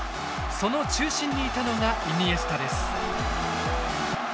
その中心にいたのがイニエスタです。